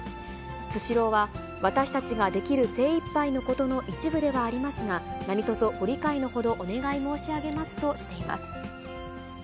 スシローは、私たちができる精いっぱいのことの一部ではありますが、何とぞご理解のほどお願い申し上げますとしています。